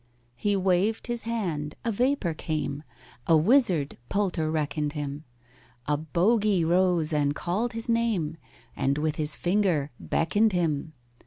He waved his hand—a vapour came— A wizard POLTER reckoned him; A bogy rose and called his name, And with his finger beckoned him.